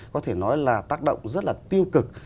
có thể nói là tác động rất là tiêu cực